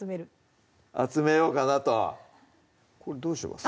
集めようかなとこれどうします？